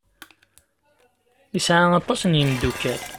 Yesɛa aṭas n yimeddukal.